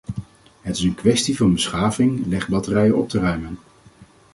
Het is een kwestie van beschaving legbatterijen op te ruimen.